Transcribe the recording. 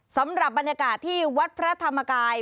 สำหรับบรรยากาศที่วัดพระธรรมกาย